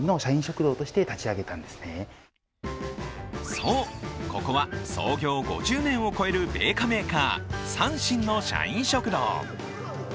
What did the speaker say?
そう、ここは創業５０年を超える米菓メーカー、三真の社員食堂。